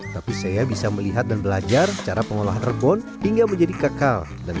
tapi saya bisa melihat dan belajar cara pengolahan rebun hingga menjadi kakal dan